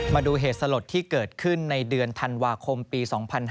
มาดูเหตุสลดที่เกิดขึ้นในเดือนธันวาคมปี๒๕๕๙